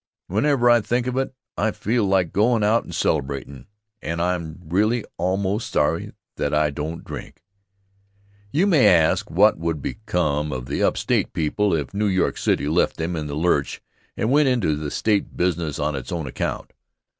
Whenever I think of it I feel like goin' out and celebratin', and I'm really almost sorry that I don't drink. You may ask what would become of the upstate people if New York City left them in the lurch and went into the State business on its own account.